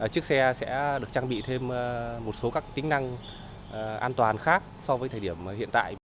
chiếc xe sẽ được trang bị thêm một số các tính năng an toàn khác so với thời điểm hiện tại